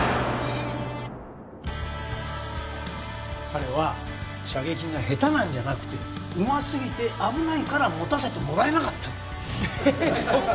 彼は射撃が下手なんじゃなくてうますぎて危ないから持たせてもらえなかったのえっ